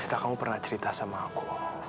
eta kamu pernah cerita sama aku